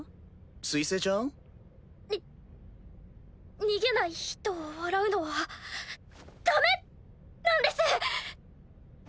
水星ちゃん？に逃げない人を笑うのはダメなんです！